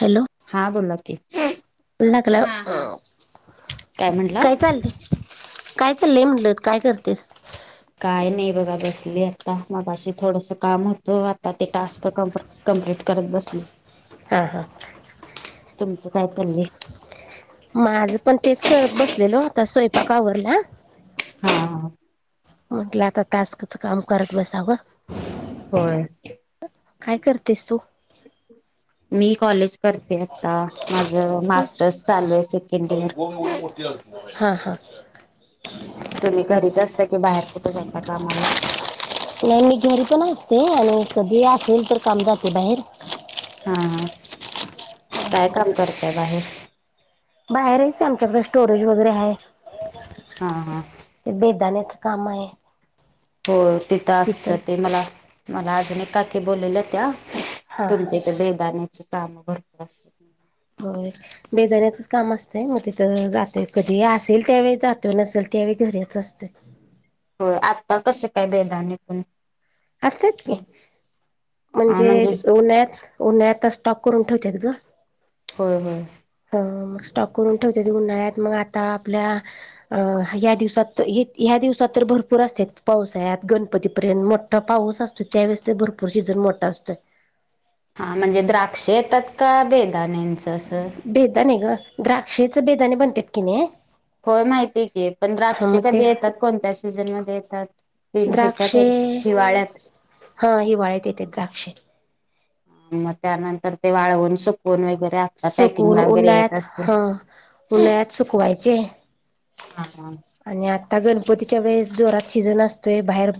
Hello हा बोला की. लागला काय चालते. काय चाललंय म्हणल काय करतेस? काय नाही बघा बसली आता मगशी थोडस काम होतं आता ते टास्क कप ्ट करत बसले. हा हा तुमचं काय चालल? माझं पण तेच करत बसलेलो आता स्वयंपाका आवरला हा ह. म्हटलं आता टास्कच काम करत बसावं. होय. काय करतेस तू? मी कॉलेज करते आता. माझ मास्टर्स चालू आहे सेकंड इयर. हा हा. तुम्ही घरीच असता की बाहेर कुठे जाता कामाला? नाही मी घरी पण असते आणि कधी असेल तर काम जाते बाहेर. हा काय काम करतय बाहेर? बाहेरच आमच्याकडे स्टोरेज वगैरे आहे हा हा ते बेदाानत कामाय. हो तिथं असतं ते मला मला अजून काकी बोललेलं त्या. हा हा तुमच्या इथे बेदाण्याचे काम भरपूर अस हो बेदाण्याचा काम असतय मग तिथं जातोय कधी असेल त्यावेळी जातो नसेल त्यावेळी घरीच असत. आता कसं काय बेदाानतण. असतात की म्हणजे. उन्हाळ्यात उन्हाळ्यात आता स्टॉक करून ठेवत्यात गं. होय होय. स्टॉक करून ठेवत्याती. उन्हाळ्यात मग आता आपल्या अ या दिवसात येत्या, दिवसा तर भरपूर असतात. पावसाळ्यात, गणपतीपर्यंत मोठा पाऊस असतो त्यावेळेस तर भरपूर सीझन मोठ असतोय. हा म्हणजे द्राक्ष येतात का बेदाण्याच असत. बेदाने ग द्राक्षेच बेदाने बनत्यात की नाही. होय. माहितीय की पण हा द्राक्ष मग ते कधी येतात? कोणत्या सीझनमध्ये येतात? ह्याच्यात द्राक्षे हिवाळ्यात हा हिवाळ्यात येत्यात द्राक्षे. मग त्यानंतर ते वाळवून सुक सुकून उन्हाळ्यात असतील हा उन्हाळ्यात सुकवाय चे हा हा आणि आता गणपतीत, च्या वेळेस जोरात सीझन असतोय बाहेर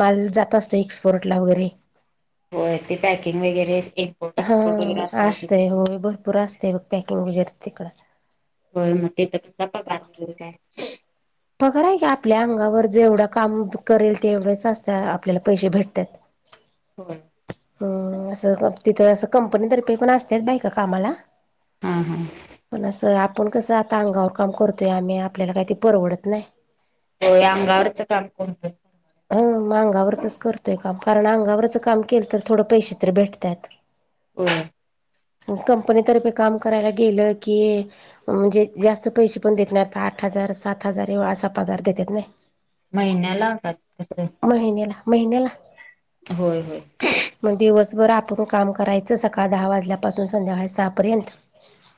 माल जात असतो एक्सपोर्टला वगैरे, होय ते पॅकिंग वगैरे, इम्पोर्ट हा एक्सपोर्ट वगैरे आता असं असतय. तस हो भरपूर असतय बघ पॅकिंग वगैरे तिकडं होय. मग ते तिथं कसा पगार तेन काय? पगार आहे की आपल्या अंगावर जेवढं काम करेल तेवढेच असत आपल्याला पैसे भेटतात. होय. हम् असं तिथं असं कंपनीतर्फे पण असत्यात बाईका कामाला हा हा, पण असं आपण कसं आता अंगावर काम करतोय आम्ही आपल्याला काय ते परवडत नाही. होय अंगावरच काम कोणतच हम मग अंगावरचच करतोय काम. कारण अंगावरच काम केल तर थोडं पैसे तर भेटतात. हो कंपनीतर्फे काम करायला गेलं. की म्हणजे जास्त पैसे पण देत नाहीत आता आ ठ हजार सात हजार एव्ह असा पगार देतेत की नाही. महिन्याला काय, कस? महिन्याला महिन्याला होय होय. दिवसभरं आतून काम करायचं सकाळी दहा वाजल्यापासून संध्याकाळी सहा पर्यंत,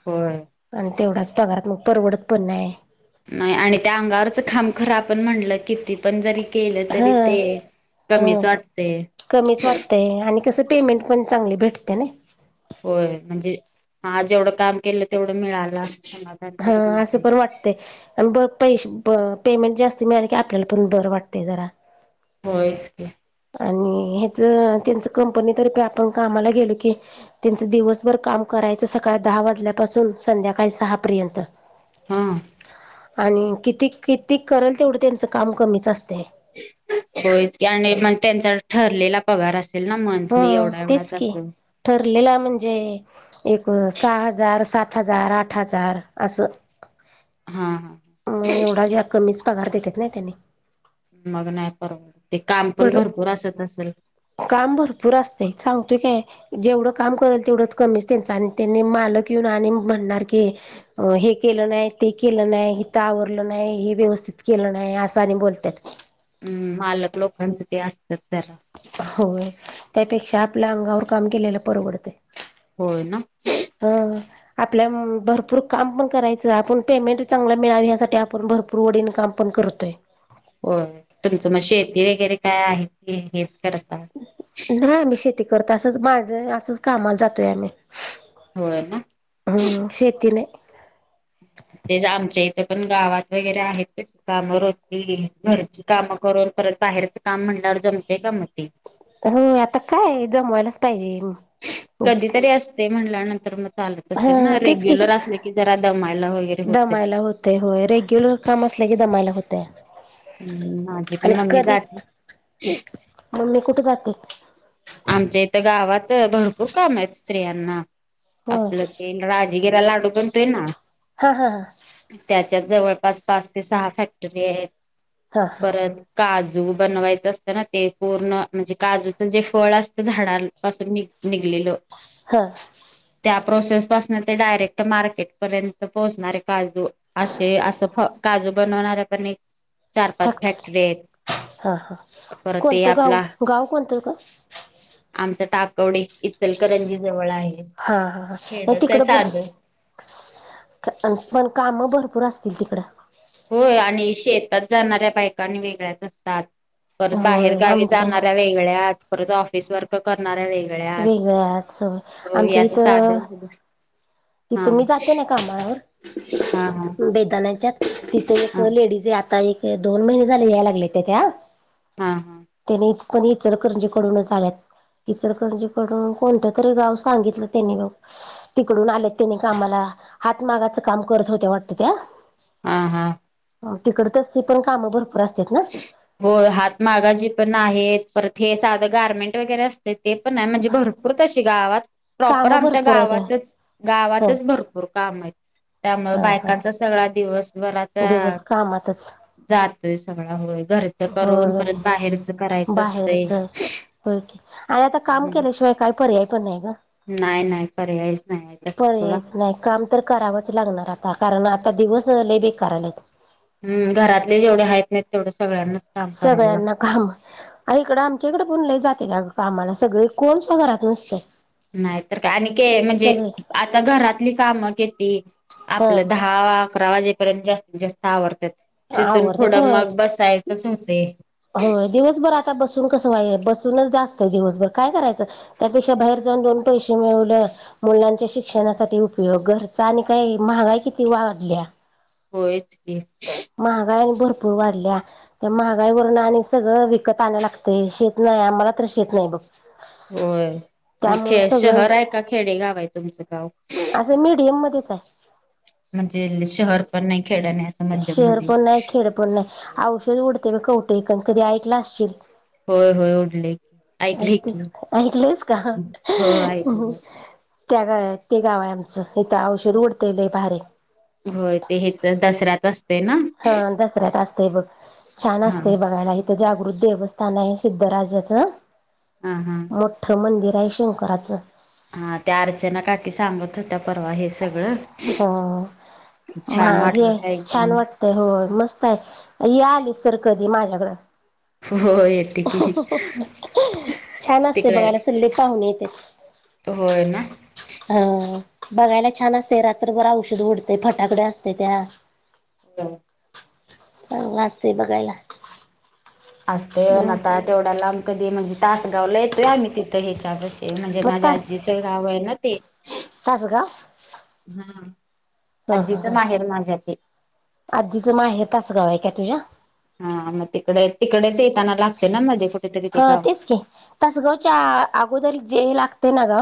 होय आणि तेवढाच पगारात मग परवडत पण नाही. नाही आणि त्या अंगावरच काम करा आपण म्हणलं किती पण जरी, केलं हा तरी ते हा कमीच वाटते. कमीच वाटतंय आणि कसं पेमेंट पण चांगली भेटते नाही. होय, म्हणजे हा जेवढं काम केलं तेवढं मिळाल असं. समाधान हा तरी असं मिळते पण वाटतय आणि ब पैसे प पेमेंट जास्त मिळाल की आपल्याला पण बर वाटतेय जरा, होयच की आणि हेच त्यांच कंपनीतर्फे आपण कामाला गेलो की, त्यांच दिवसभर काम करायचं. सकाळी दहा वाजल्यापासून संध्याकाळी सहा पर्यंत. हा आणि किती किती करेल तेवढं त्यांचं काम कमीच असते. होयच की आणि मग त्यांचा ठरलेला पगार असत. ह, तेच की ठरलेला म्हणजे एक सहा हजार सात हजार, आठ हजार अस हा हा मग एवढ कमी पगार देतात नाही त्यानी मग नाही परवडत. ते काम पण बर भरपूर असत असेल काम भरपूर असतय सांग ते काय जेवढं काम करेल तेवढं कमीच, त्यांच आणि त्यांनी मालक येऊन आणि म्हणणार की, हे केलं नाही, ते केलं नाही हीत आवरलं नाही. हे व्यवस्थित केलं नाही असं आणि बोलतात. [inaudible] हम्म मालक लोकांचं ते असतात जरा. हो त्यापेक्षा आपल्या अंगावर काम केलेलं परवडतय. होय ना आपल्या भरपूर काम पण करायचं आपण पेमेंट चांगला मिळावी यासाठी आपण भरपूर वडीण काम पण करतोय. हो तुमचं मग शेती वगैरे काय आहे हेच करताय? ती करत असच माझं असच कामाला जातोय. आम्ही होय ना हम्म शेती नाही. तरी पण गावात वगैरे आहेत तशी कामं रोजची घरची कामं करून, परत बाहेरचं काम म्हणल्यावर जमतय. का मग ते. ह आता काय जमवायलाच पाहिजे. कधीतरी असतय, म्हणल्यानंतर मग चालत हा असेल ना तेच की, रेग्युलर असले की जरा दमायला वगैरे होते दमायला होतेय रेग्युलर काम असलं आसल कि दमाायला होतया. हम्म माझी पण मम्मी जाती मग मी कुठे जाते. आमच्या इथं गावात भरपूर काम आहेत स्त्रियांना होय आपलं ते राजी गिरा लाडू बनतोय ना, हा हा हां त्यात जवळपास पाच ते सहा फॅक्टरी आहेत. हा हा पर काज जू बनवायच असतं. ना ते पूर्ण म्हणजे काजूचं जे फळ असत झाडांपासून नि निघलेलं. हां त्या प्रोसेस पासून ते डायरेक्ट मार्केट पर्यंत पोहोचणारे काजू. असे असं फ काजू बनवणार्या पण एक चार पाच फॅक्टरी आहेत. हा हा पर ते कोणतं गाव आपला गाव कोणतं का कवडे इलकरंजीसंन हा हा नाही तिकड साधं पण काम भरपूर. भरपूर असतील तिकडे. होय आणि शेतात जाणाऱ्या बायकांनी वेगळ्याच असतात. परत बाहेर होय गावी आमच्या जाणाऱ्या वेगळ्या परत ऑफिस वर्क करणार वेगळ्याच. हे आमच्या असं इथं साधन हा इथं मी जाते ना हा हा कामावर बेदानाच्यात? तिथे एक हा लेडीज आहे. आता एक दोन महिने झाले याय लागलत्या त्या. हा हां त्याने पण इचरकरंजीकडूनच आल्यात. इचलकंरजीकडून कोणतं तरी गाव सांगितलं त्यांनी बघ तिकडून आल्यात. त्यानी कामला हातमागाच काम करत होत्या वाटत त्या. हम्म हम्म तिकड त्यासनी पण कामं भरपूर अस होय, हात मागा जे पण आहेत पर ते साधं गारमेंट वगैरे असतय. ते पण आहे म्हणजे भरपूर तशी गावात प्रॉपर कामं आमच्या भरपूर आहेत गावातच ह गावातच भरपूर काम. काम आहेत. त्यामुळे हा हा बायकांचा सगळा दिवस बराच दिवस कामातच जातोयच. घरच करून होय परत बाहेरच करायचं असतय. व्हय कि, आणि आता काम केल्याशिवाय काही पर्याय पण नाही. ना पर्याय. पर्यायच नाही काम तर करावंच लागणार आता कारण आता दिवस लय बेकार आल्यात. हम् घरातले जेवढे आहेत नाही तेवढ सगळ्यांना काम इकडं आम च्या कडे पण लय जात्यात आगं कामाला सगळे कोण सुद्धा घरात नसतय. नाहीतर काय आणि के म्हणजे सगळे आता घरातली कामं किती हं आपलं दहा अकरा वाजेपर्यंत जास्तीत जास्त आवरत्यात. आवरत्यात होय होते होय दिवसभर आता बसून कसं. बसूनच जात दिवसभर काय करायचं त्यापेक्षा बाहेर जाऊन दोन पैसे मिळ मुलांच्या शिक्षणासाठी उपयोग ख आणि काही महागा किती वाढल्या. होयच की महागा आणि भरपूर वाढल्या त्या महागाई वून आणि सगळं विकत आणय लागत श नाही आम्हाला त शेत नाही बघ. होय आणि त्यामुळं खे सगळं शहर आहे का खेडे गाव आहे तुमचं गाव सय म्हणजे शहर पण नाही. खेड नाही असं मध्यम शहर मध्ये पण नाही खेड पण नाही औषध उडते कुठे कण कधी ऐकलं असशील. होय होय उडले की ऐकले की ऐकलीस ऐकलस का? हो ऐकलं त्या गा ते गाव आहे आमचं इथं औषध उडतेलय भारी दसते ना हा दसऱ्यात असतय बघ छान हा असत बघायला इथे. देवस्थान आहे सिद्धरााच हा हा मोठ मंदिर जयशंकरचं. हा त्या अर्चना काकी सांगत होत्या परवा हे सगळं. हो छान हे वाटलं ते छान ऐकूनच वाटतय हो मस्त आलीस तर कधी माझ्याकडं. हो येते की छान असते तिकडे बघायला सल्ले पाहून येते. होय ना. हा बघायला छान असते रात्रभर औषध उओढते फटाकडे असते त्या हो. चांगला असतय बघायला असतेन मग आता तेवढ्याला आम कधी म्हणजे तासगावला येतोय आम्ही तिथं ह्याच्याप ते म्हणजे माझ्या आजीचं गाव आहे ना ते तचगाव हा हा हा आजीचं हा माहेर माझ्या ते आजीचं माहे तासगाव आहे काय तुझ्या हा मग तिकडे तिकडेच येताना लागते ना मध्ये कुठेतरी ते गाव अगोदरी जे लागते ना ग.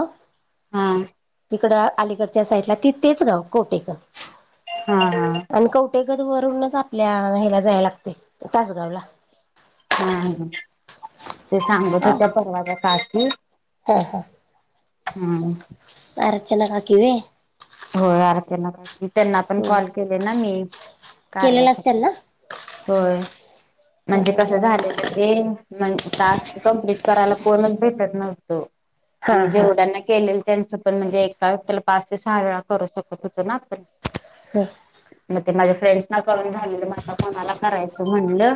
हा. तिकड अलीकडच्या साईडला ती तेच गाव कोटेकर हा हा. ेकत वरूनच आपल्या ह्याला जाय लागते तासगाव ला हा ह ते सांगत हा त्या परवाच्या का? हा हा. हम. आरचना काकी व्हय हो अरचना का? त्यांना पण हम्म कॉल केले ना मी केलेलाच कार्यासाठी त्यांना तोय. म्हणजे कसं हा झालेलं ते म टास्क कंप्लीट करायला कोणच भेटत नव्हतो आणि हा हा जेवढ्यांना केले. त्यांचं पण म्हणजे एका त्याला पाच ते सहा वेळा करू शकत होतो ना आपण हम. मग ते माझ्या फ्रेंडस ना करून झालेलं म आता कोणाला करायचं म्हणलं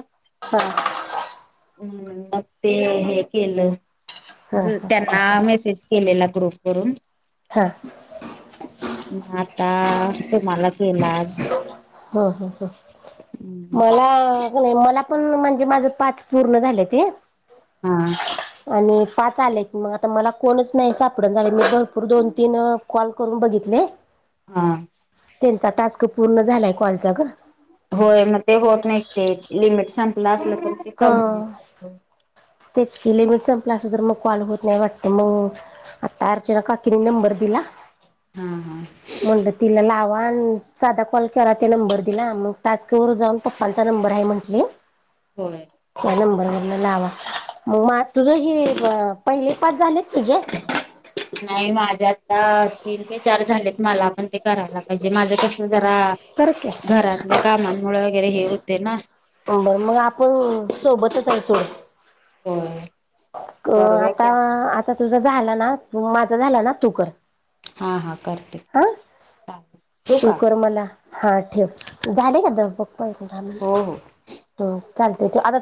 हूं मग ते हे केलं हा त्यांना मेसेज केलेला प्रूफ करून हं! आता तुम्हाला केलाज ह ह ह मला नाही मला. पण म्हणजे माझ पाच पूर्ण झालं ते. हा. आणि पाच आलेत मग आता मला कोणच नाही सापडून झाले मी भरपूर दोन तीन कॉल. करून बघितले. हा. त्यांचा टास्क पूर्ण झाला. होय मग ते होत नाही ते लिमिट संपलं असल. कंप्लीट हा होत. तेच कि लिमिट संपलं असं तर मग कॉल होत नाही वाटत मग. आता अर्चना काकीने नंबर दिला हा हा मंड तिला लाव. धा कॉल केला ते नंबर दिला मग टास्क वर जाऊन पप्पांचा नंबर आहे म्हटले. होय. त्या नंबरवररला लावा. मग म तुझ हे पहिले पाच झालेत तुझे. नाही माझ मंजे आता तीन ते चार झालेत मला पण ते करायलाच पाहिजे माझं कस जरा कर की घरातल्या कामांमुळ वगैरे हे होते ना बरं मग आपण सोबतच आहे सोड होय. क करूया की आता, आपण. आता तुझा झाला ना, माझा झाला ना तूकर हा हा करते चा ठू तू का. कर मला हा ठेव झालेय का आता बघ प हो हो. हो चालत आता.